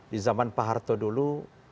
di zaman pak harto dulu